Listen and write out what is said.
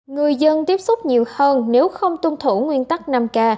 người dân tiếp xúc nhiều hơn nếu không tuân thủ nguyên tắc năm k